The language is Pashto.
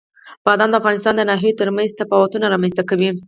بادام د افغانستان د ناحیو ترمنځ تفاوتونه رامنځ ته کوي.